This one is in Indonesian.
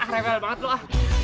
reveal banget lu ah